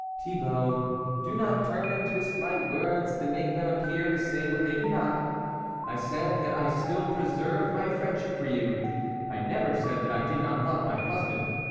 " Thibault, do not turn and twist my words to make them appear to say what they do not. I said that I still preserved my friendship for you, I never said that I did not love my husband.